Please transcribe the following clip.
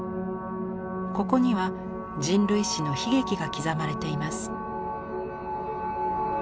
ここには人類史の悲劇が刻まれています。